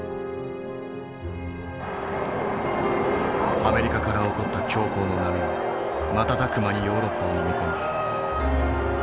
アメリカから起こった恐慌の波は瞬く間にヨーロッパをのみ込んだ。